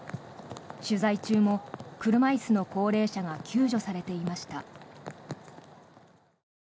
取材中も車椅子の高齢者が救助されていました。